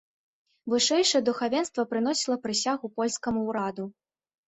Вышэйшае духавенства прыносіла прысягу польскаму ўраду.